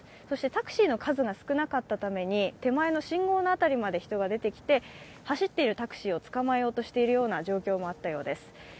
そしてタクシーの数が少なかったために、手前の信号のあたりまで人が出てきて走っているタクシーをつかまえようとしているような状況もあったようです。